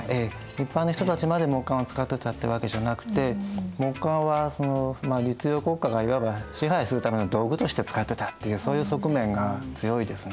一般の人たちまで木簡を使ってたってわけじゃなくて木簡は律令国家がいわば支配するための道具として使ってたっていうそういう側面が強いですね。